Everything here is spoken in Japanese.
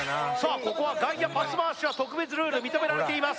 ここは外野パス回しは特別ルール認められています